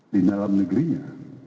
di dalam negerinya